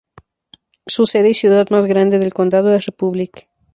Su sede y ciudad más grande del condado es Republic.